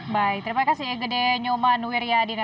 baik terima kasih gede nyoman wiryadina